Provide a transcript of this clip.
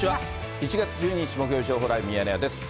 １月１２日木曜日、情報ライブミヤネ屋です。